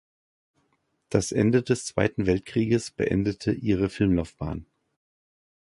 Das Ende des Zweiten Weltkrieges beendete ihre Filmlaufbahn.